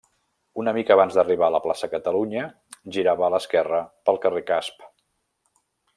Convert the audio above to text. Una mica abans d'arribar a la plaça Catalunya girava a l'esquerra pel Carrer Casp.